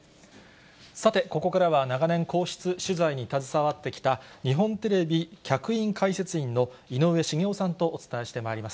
さて、ここからは長年、皇室取材に携わってきた、日本テレビ客員解説員の井上茂男さんとお伝えしてまいります。